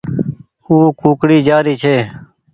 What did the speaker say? او ڪوڪڙي جآري ڇي